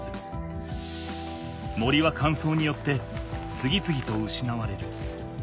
森はかんそうによって次々とうしなわれる。